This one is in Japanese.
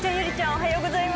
おはようございます。